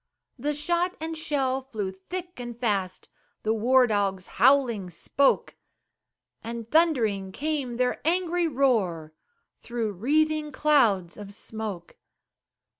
The shot and shell flew thick and fast, The war dogs howling spoke, And thundering came their angry roar, Through wreathing clouds of smoke.